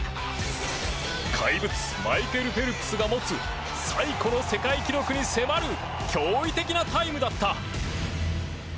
怪物マイケル・フェルプスが持つ最古の世界記録に迫る驚異的なタイムだった。